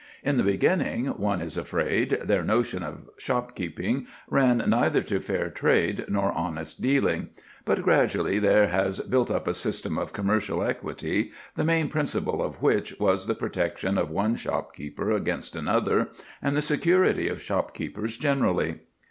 In the beginning, one is afraid, their notion of shopkeeping ran neither to fair trade nor honest dealing; but gradually there was built up a system of commercial equity, the main principle of which was the protection of one shopkeeper against another and the security of shopkeepers generally.